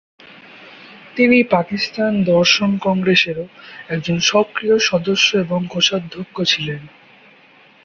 তিনি পাকিস্তান দর্শন কংগ্রেসেরও একজন সক্রিয় সদস্য এবং কোষাধ্যক্ষ ছিলেন।